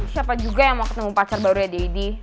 siapa juga yang mau ketemu pacar barunya deddy